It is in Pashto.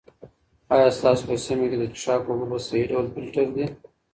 آیا ستاسو په سیمه کې د څښاک اوبه په صحي ډول فلټر دي؟